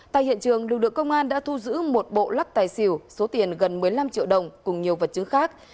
tại hiện trường lực lượng công an đã thu giữ một bộ lắc tài xỉu số tiền gần một mươi năm triệu đồng cùng nhiều vật chứng khác